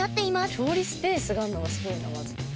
調理スペースがあんのがすごいなまず。